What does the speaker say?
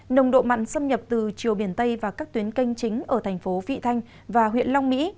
nồng độ mặn xâm nhập từ chiều biển tây và các tuyến canh chính ở thành phố vị thanh và huyện long mỹ